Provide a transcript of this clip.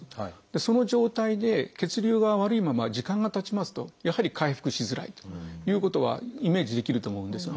その状態で血流が悪いまま時間がたちますとやはり回復しづらいということはイメージできると思うんですよね。